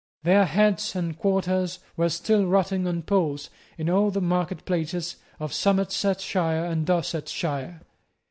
Their heads and quarters were still rotting on poles in all the market places of Somersetshire and Dorsetshire.